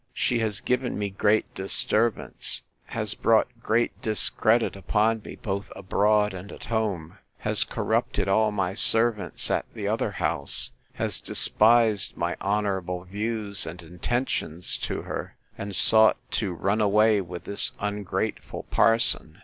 —She has given me great disturbance, has brought great discredit upon me, both abroad and at home: has corrupted all my servants at the other house; has despised my honourable views and intentions to her, and sought to run away with this ungrateful parson.